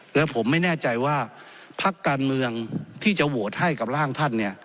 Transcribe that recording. และผมไม่แน่ใจว่าพักการเมืองที่จะโหวตให้กับร่างท่านเนี่ย